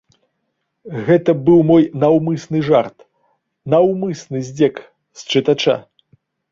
Гэта быў мой наўмысны жарт, наўмысны здзек з чытача.